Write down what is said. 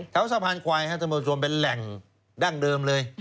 แถวสะพานควายจะเป็นแหล่งดั้งเดิมเลย